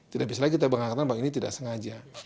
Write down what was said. tidak bisa lagi kita mengatakan bahwa ini tidak sengaja